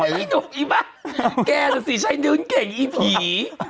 นุ้งอีบ้าแกจะศิชย์ดื้นเก่งอีโผี